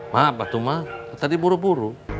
maaf batu mah tadi buru buru